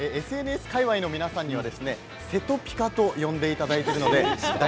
ＳＮＳ界わいの皆さんにはせとぴかと呼んでいただいています。